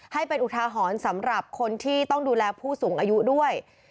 ให้เป็นอุทาหรณ์สำหรับคนที่ต้องดูแลผู้สูงอายุด้วย